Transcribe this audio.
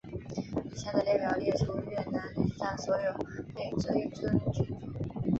以下的列表列出越南历史上所有被追尊君主。